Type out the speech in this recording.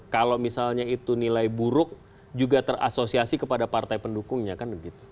kalau misalnya itu nilai buruk juga terasosiasi kepada partai pendukungnya kan begitu